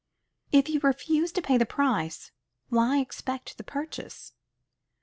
If you refuse to pay the price, why expect the purchase?